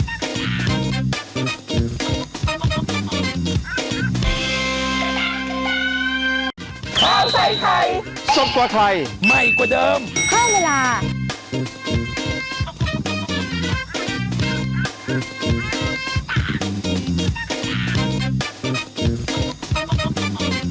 สบกว่าไทยสบกว่าไทยใหม่กว่าเดิมข้าวเวลา